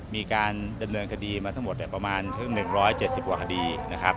มีการดำเนินคดีมาทั้งหมดประมาณ๑๗๐กว่าคดีนะครับ